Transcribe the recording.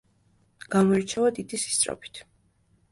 გამოირჩევა დიდი სისწრაფით.